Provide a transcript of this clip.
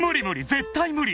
絶対無理！